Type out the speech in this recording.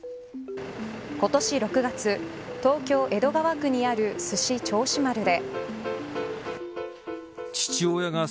今年６月東京・江戸川区にあるすし銚子丸で。